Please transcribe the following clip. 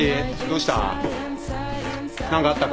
どうした？